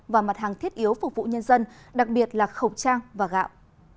và mặt hàng thiết yếu phục vụ nhân dân đặc biệt là khẩu trang và gạo